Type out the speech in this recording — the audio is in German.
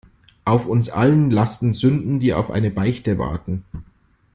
Auf uns allen lasten Sünden, die auf eine Beichte warten.